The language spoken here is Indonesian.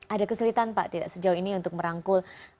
ada kesulitan pak sejauh ini untuk merangkul